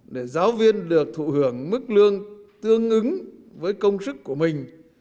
để giáo viên được thụ hưởng mức lương tương ứng với công sức của mình